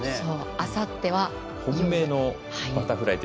あさっては本命のバタフライ。